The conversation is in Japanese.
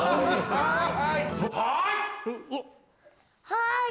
はい！